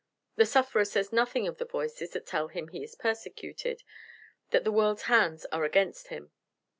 The sufferer says nothing of the voices that tell him he is persecuted that the world's hands are against him.